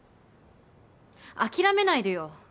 諦めないでよ